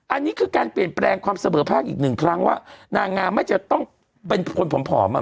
อันนี้คือการเปลี่ยนแปลงความเสมอภาคอีกหนึ่งครั้งว่านางงามไม่จะต้องเป็นคนผอมอ่ะ